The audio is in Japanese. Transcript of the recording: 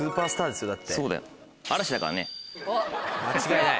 間違いない。